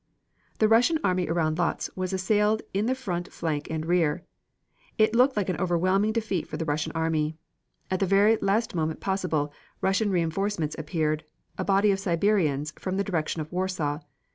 The Russian army around Lodz was assailed on the front flank and rear. It looked like an overwhelming defeat for the Russian army. At the very last moment possible, Russian reinforcements appeared a body of Siberians from the direction of Warsaw.